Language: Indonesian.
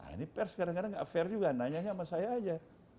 nah ini pers kadang kadang gak fair juga nanyanya sama saya aja